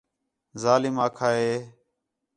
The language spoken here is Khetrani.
ظالم آکھا ہے